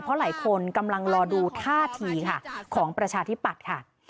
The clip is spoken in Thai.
เพราะหลายคนกำลังรอดูท่าทีค่ะของประชาธิปัตย์ค่ะ